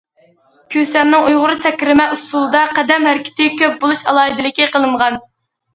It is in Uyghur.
كۈسەننىڭ ئۇيغۇر سەكرىمە ئۇسسۇلىدا قەدەم ھەرىكىتى كۆپ بولۇش ئالاھىدىلىك قىلىنغان.